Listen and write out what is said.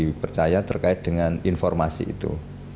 kita bisa dipercaya terkait dengan informasi itu